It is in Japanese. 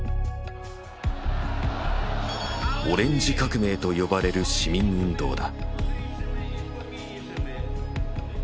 「オレンジ革命」と呼ばれる市民運動だ。